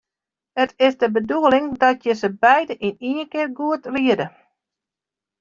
It is de bedoeling dat je se beide yn ien kear goed riede.